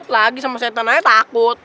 lagi sama setan aja takut